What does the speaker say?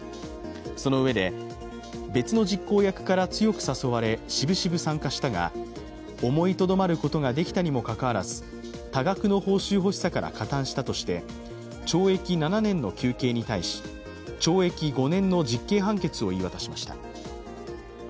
そのうえで、別の実行役から強く誘われしぶしぶ参加したが、思いとどまることができたにもかかわらず多額の報酬欲しさから加担したとして懲役７年の求刑に対し懲役５年の実刑判決を言い渡しました。